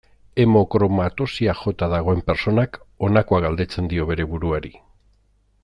Hemokromatosiak jota dagoen pertsonak honakoa galdetzen dio bere buruari.